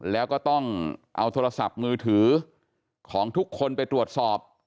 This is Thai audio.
แล้วก็ต้องเอาโทรศัพท์มือถือของทุกคนไปตรวจสอบ